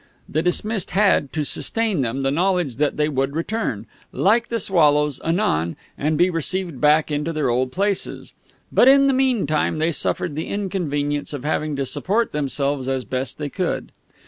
The dismissed had, to sustain them, the knowledge that they would return, like the swallows, anon, and be received back into their old places; but in the meantime they suffered the inconvenience of having to support themselves as best they could.